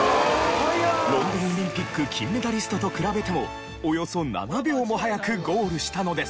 ロンドンオリンピック金メダリストと比べてもおよそ７秒も早くゴールしたのです。